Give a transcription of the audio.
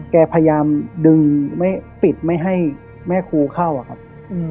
แกพยายามดึงไม่ปิดไม่ให้แม่ครูเข้าอะครับ